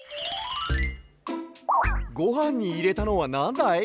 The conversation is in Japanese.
ごはんにいれたのはなんだい？